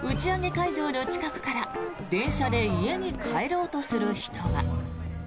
会場の近くから電車で家に帰ろうとする人が。